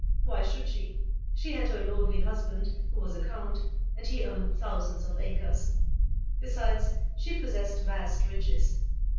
Why should she? She had her lordly husband, who was a count, and he owned thousands of acres. Besides, she possessed vast riches.